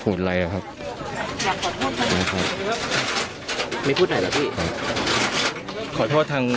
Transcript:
ก็แจ้งใจสามารถห่วยกับท่านเอง